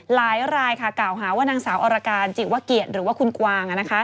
หลายรายค่ะกล่าวหาว่านางสาวอรการจิวะเกียรติหรือว่าคุณกวาง